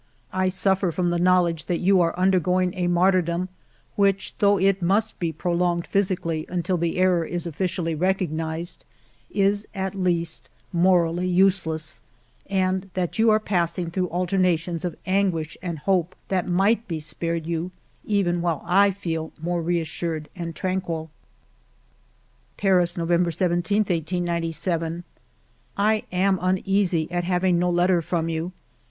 I suffer from the knowledge that you are undergoing a martyrdom which, though it must be prolonged physically until the error is offi cially recognized, is at least morally useless, and that you are passing through alternations of an guish and hope that might be spared you, even while I feel more reassured and tranquil/' Paris, November 17, 1897. " I am uneasy at having no letter from you.